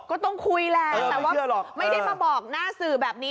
ก็ต้องคุยแหละแต่ว่าไม่ได้มาบอกหน้าสื่อแบบนี้